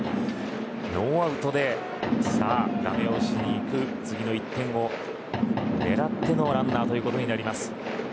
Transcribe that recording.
ノーアウトで、ダメ押しにいく次の１点を狙ってのランナーということになります。